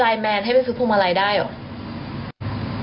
แมนให้ไปซื้อพวงมาลัยได้เหรอ